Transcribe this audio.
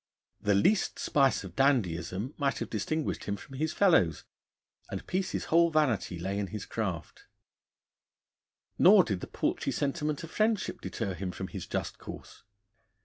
The least spice of dandyism might have distinguished him from his fellows, and Peace's whole vanity lay in his craft. Nor did the paltry sentiment of friendship deter him from his just course.